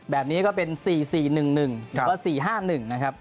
แบบนี้ก็เป็น๔๔๑๑หรือ๔๕๑นะครับ